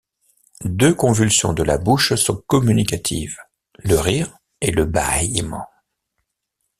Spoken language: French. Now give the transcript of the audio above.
Deux convulsions de la bouche sont communicatives, le rire et le bâillement.